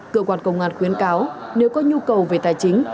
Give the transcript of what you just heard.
cơ quan công an khuyến cáo nếu có nhu cầu về tài chính